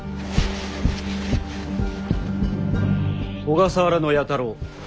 小笠原弥太郎